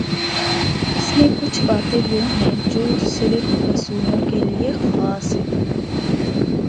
اس میںکچھ باتیں وہ ہیں جو صرف رسولوں کے لیے خاص ہیں۔